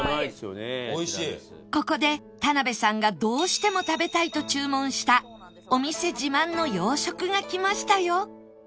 ここで田辺さんがどうしても食べたいと注文したお店自慢の洋食が来ましたよ